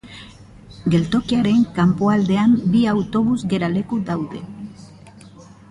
Geltokiaren kanpoaldean bi autobus geraleku daude.